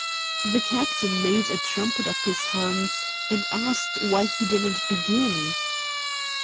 The captain made a trumpet of his hands, and asked why he didn't begin.